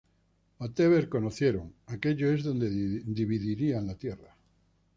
Wherever Conocieron, aquello es donde dividirían la tierra.